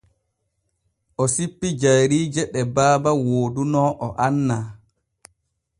O sippi jayriije ɗe baaba wooduno o annaa.